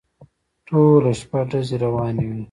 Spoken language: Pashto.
ټوله شپه ډزې روانې وې.